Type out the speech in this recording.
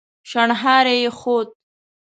شڼهاری يې خوت.